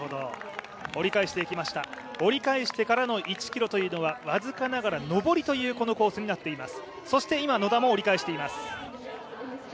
折り返していきました、折り返してからの１ｋｍというのは僅かながら上りというこのコースになっています。